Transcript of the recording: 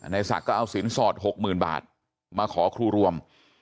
ศักดิ์ก็เอาสินสอด๖๐๐๐บาทมาขอครูรวม